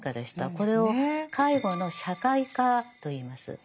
これを「介護の社会化」といいます。